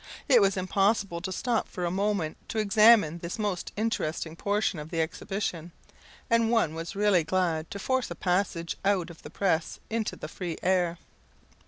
It was impossible to stop for a moment to examine this most interesting portion of the Exhibition; and one was really glad to force a passage out of the press into the free air.